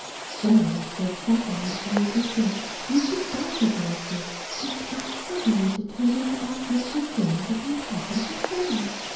Somebody had said something that made me think you could buy divorces, and I suddenly determined to ask Mr. Jones if he had them for sale.